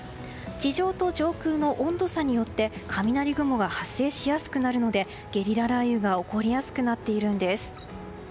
地上と上空の温度差によって雷雲が発生しやすくなるのでゲリラ雷雨が起こりやすくなっているんです。